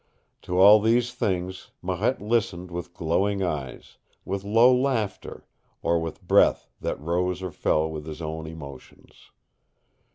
To all these things Marette listened with glowing eyes, with low laughter, or with breath that rose or fell with his own emotions.